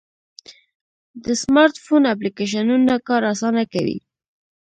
د سمارټ فون اپلیکیشنونه کار آسانه کوي.